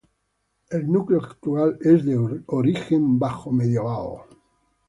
El núcleo actual es de origen bajomedieval.